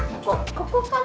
ここから。